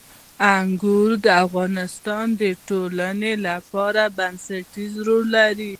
انګور د افغانستان د ټولنې لپاره بنسټيز رول لري.